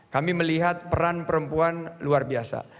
kami melihat peran perempuan luar biasa